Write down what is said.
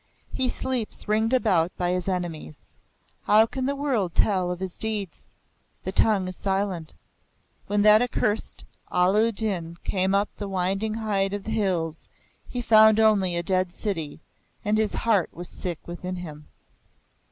He sleeps ringed about by his enemies. How can the world tell of his deeds? The tongue is silent." When that Accursed, Allah u Din, came up the winding height of the hills, he found only a dead city, and his heart was sick within him.